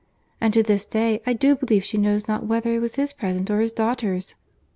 '—And to this day, I do believe, she knows not whether it was his present or his daughter's."